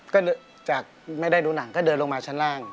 ก็จากไม่ได้ดูหนังก็เดินลงมาชั้นล่าง